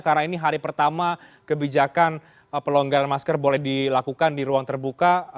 karena ini hari pertama kebijakan pelonggaran masker boleh dilakukan di ruang terbuka